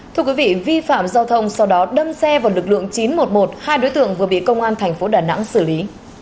thưa quý vị vi phạm giao thông sau đó đâm xe vào lực lượng chín trăm một mươi một hai đối tượng vừa bị công an thành phố đà nẵng xử lý